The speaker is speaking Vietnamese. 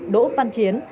đỗ văn chiến